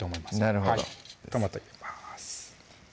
なるほどトマト入れます